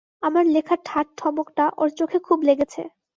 আমার লেখার ঠাট-ঠমকটা ওর চোখে খুব লেগেছে।